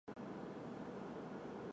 铅是排气中的有害成分。